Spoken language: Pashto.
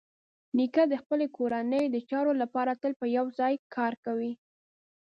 نیکه د خپلې کورنۍ د چارو لپاره تل په یوه ځای کار کوي.